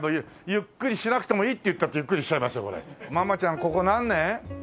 ママちゃんここ何年？